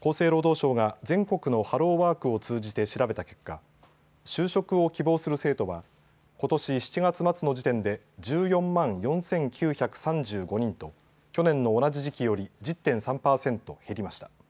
厚生労働省が全国のハローワークを通じて調べた結果、就職を希望する生徒はことし７月末の時点で１４万４９３５人と去年の同じ時期より１０．３％減りました。